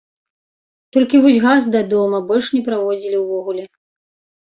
Толькі вось газ да дома больш не праводзілі ўвогуле.